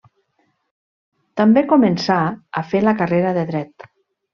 També començà a fer la carrera de Dret.